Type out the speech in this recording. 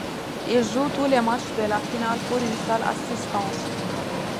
Il joue tous les matchs de la finale pour une seule assistance.